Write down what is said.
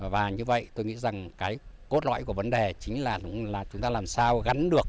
và như vậy tôi nghĩ rằng cái cốt lõi của vấn đề chính là chúng ta làm sao gắn được